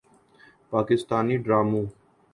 پاکستانی ڈراموں